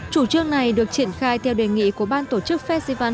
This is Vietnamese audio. chủ trương này được triển khai theo đề nghị của ban tổ chức festival